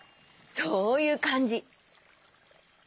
そういうかんじ。